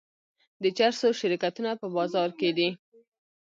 د چرسو شرکتونه په بازار کې دي.